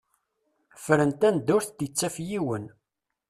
Fren-tt anda ur tt-ittaf yiwen.